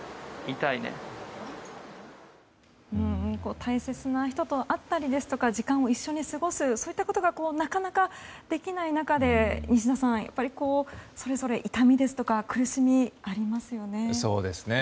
大切な人と会ったり時間を一緒に過ごすそういったことがなかなかできない中で西田さん、それぞれ痛みですとか苦しみ、ありますよね。